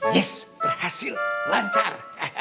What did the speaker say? yes berhasil lancar